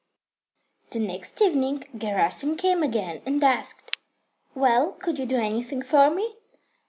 IV The next evening Gerasim came again and asked: "Well, could you do anything for me?"